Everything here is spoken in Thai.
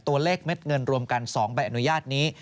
ตัวเลขเม็ดเงินรวมกัน๒แบบอนุญาตนี้